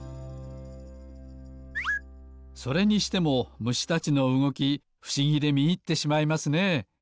それにしてもむしたちのうごきふしぎでみいってしまいますね。